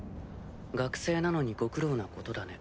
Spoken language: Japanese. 学生なのにご苦労なことだね。